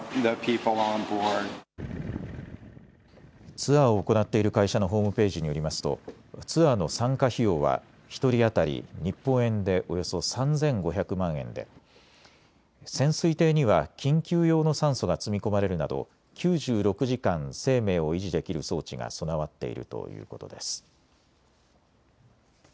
ツアーを行っている会社のホームページによりますとツアーの参加費用は１人当たり日本円でおよそ３５００万円で潜水艇には緊急用の酸素が積み込まれるなど９６時間、生命を維持できる装置が備わっているということです。